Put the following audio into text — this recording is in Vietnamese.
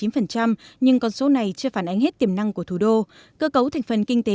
một mươi chín phần trăm nhưng con số này chưa phản ánh hết tiềm năng của thủ đô cơ cấu thành phần kinh tế